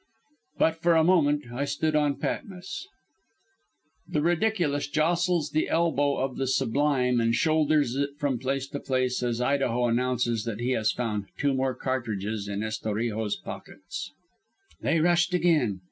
"But for a moment I stood on Patmos. "The Ridiculous jostles the elbow of the Sublime and shoulders it from place as Idaho announces that he has found two more cartridges in Estorijo's pockets. "They rushed again.